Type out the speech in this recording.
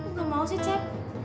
enggak mau sih cep